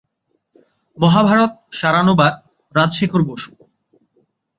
মহাভারত সারানুবাদ, রাজশেখর বসু।